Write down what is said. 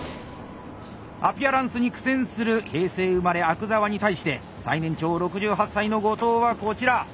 アピアランスに苦戦する平成生まれ阿久澤に対して最年長６８歳の後藤はこちら！